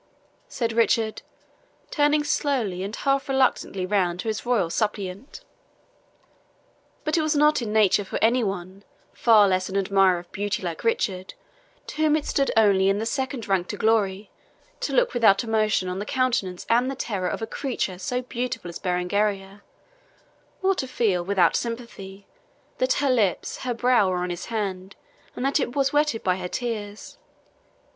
said Richard, turning slowly and half reluctantly round to his royal suppliant. But it was not in nature for any one, far less an admirer of beauty like Richard, to whom it stood only in the second rank to glory, to look without emotion on the countenance and the tremor of a creature so beautiful as Berengaria, or to feel, without sympathy, that her lips, her brow, were on his hand, and that it was wetted by her tears.